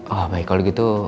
oh baik kalau gitu